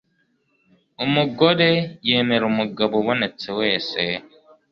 umugore yemera umugabo ubonetse wese